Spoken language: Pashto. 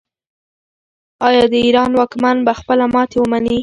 آیا د ایران واکمن به خپله ماتې ومني؟